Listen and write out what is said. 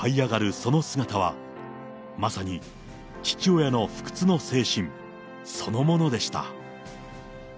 その姿は、まさに父親の不屈の精神そのものでした。